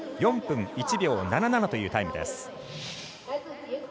４分１秒７７というタイムです。